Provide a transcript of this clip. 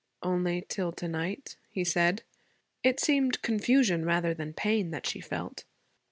'Only till to night,' he said. It seemed confusion rather than pain that she felt.